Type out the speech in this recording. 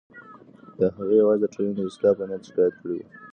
هغې یوازې د ټولنې د اصلاح په نیت شکایت کړی و.